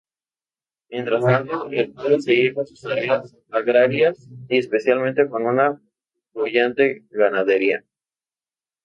Mientras tanto el pueblo seguía con sus tareas agrarias, especialmente con una boyante ganadería.